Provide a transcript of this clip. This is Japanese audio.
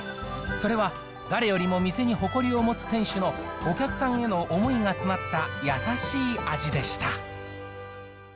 それは誰よりも店に誇りを持つ店主の、お客さんへの思いが詰まった優しい味でした。